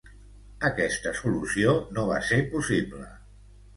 Aquesta solució no va ser possible.